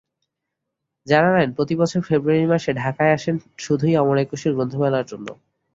জানালেন, প্রতিবছর ফেব্রুয়ারি মাসে ঢাকায় আসেন শুধুই অমর একুশে গ্রন্থমেলার জন্য।